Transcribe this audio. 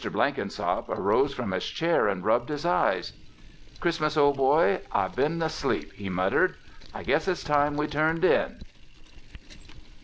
Blenkinsop arose from his chair and rubbed his eyes. "Christmas, ol' boy, I've been asleep," he muttered. "I guess it's time we turned in!"